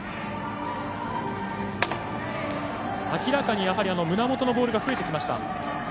明らかに胸元のボールが増えてきました。